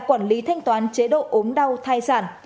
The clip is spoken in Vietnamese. quản lý thanh toán chế độ ốm đau thai sản